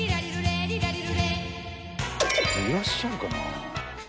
いらっしゃるかな？